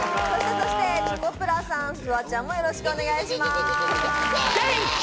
そしてチョコプラさん、フワちゃんもよろしくお願いします。